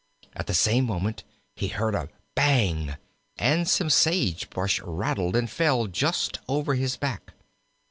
At the same moment he heard a bang, and some sage brush rattled and fell just over his back.